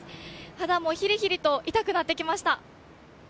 肌もひりひりと痛くなってきました。